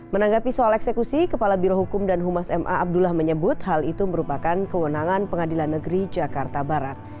menanggapi soal eksekusi kepala birohukum dan humas ma a abdullah menyebut hal itu merupakan kewenangan pengadilan negeri jakarta barat